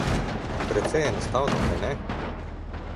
Precej enostavno, kajne?